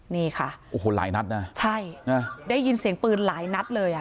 นี่ค่ะโอ้โหหลายนัดนะใช่นะได้ยินเสียงปืนหลายนัดเลยอ่ะ